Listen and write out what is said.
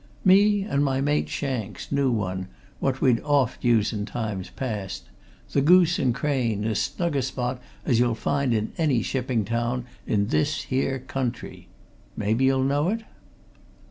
"Me and my mate, Shanks, knew one, what we'd oft used in times past the Goose and Crane, as snug a spot as you'll find in any shipping town in this here country. Maybe you'll know it?"